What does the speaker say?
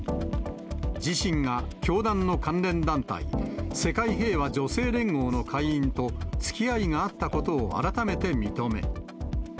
自身が教団の関連団体、世界平和女性連合の会員とつきあいがあったことを改めて認め。